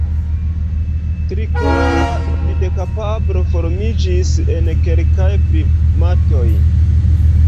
Trikolora vidkapablo formiĝis en kelkaj primatoj.